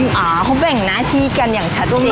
อ๋อเขาเป็นอย่างหน้าที่กันอย่างชัดจริง